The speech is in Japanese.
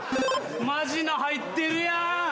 マジの入ってるやん。